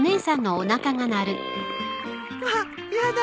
わっやだ！